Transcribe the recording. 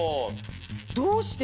どうして？